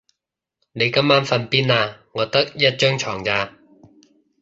你今晚瞓邊啊？我得一張床咋